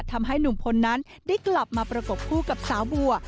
ทำให้หนุ่มพลนั้นได้กลับมาประกบคู่กับสาวบัว